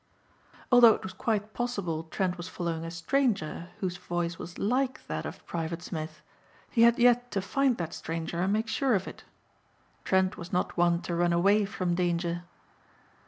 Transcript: Although it was quite possible Trent was following a stranger whose voice was like that of Private Smith, he had yet to find that stranger and make sure of it. Trent was not one to run away from danger.